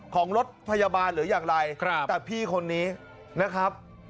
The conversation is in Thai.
ของรถพยาบาลหรืออย่างไรแต่พี่คนนี้นะครับ